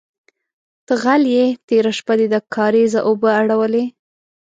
_ته غل يې، تېره شپه دې د کارېزه اوبه اړولې.